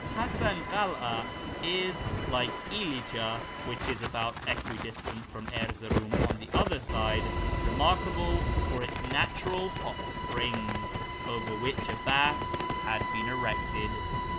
Hasan Kara is, like Ilija, which is about equidistant from Erzeroum on the other side, remarkable for its natural hot springs, over which a bath has been erected.